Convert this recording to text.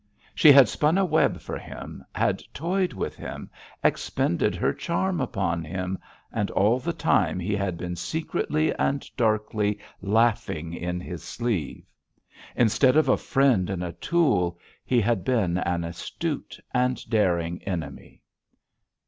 She had spun a web for him, had toyed with him, expended her charm upon him, and all the time he had been secretly and darkly laughing in his sleeve. Instead of a friend and a tool, he had been an astute and daring enemy!